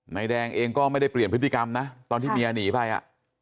นายแดงเองก็ไม่ได้เปลี่ยนพฤติกรรมนะตอนที่เมียหนีไปอ่ะ